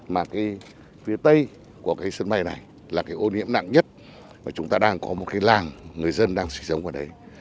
mà phía tây của sân bay này là ô nhiễm nặng nhất và chúng ta đang có một cái làng người dân đang sử dụng ở đấy